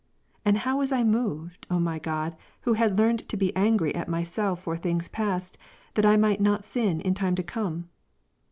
And how was I 2G. moved, O my God, who had now learned to be angry at myself for things past, that I might not sin in time to come